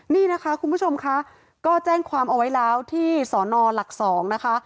นี่นะคะคุณผู้ชมค่ะก็แจ้งความเอาไว้แล้วที่สอนอหลัก๒นะคะ